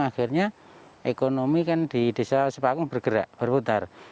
akhirnya ekonomi kan di desa sepakung bergerak berputar